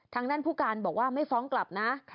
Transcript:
ทางด้านผู้การบอกว่าไม่ฟ้องกลับนะ